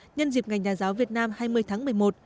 nhân dịp ngành nhà giáo việt nam hai mươi tháng một mươi một